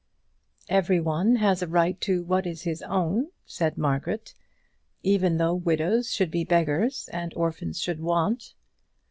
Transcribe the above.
"Every one has a right to what is his own," said Margaret. "Even though widows should be beggars, and orphans should want."